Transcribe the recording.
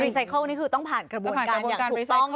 ไซเคิลนี่คือต้องผ่านกระบวนการอย่างถูกต้อง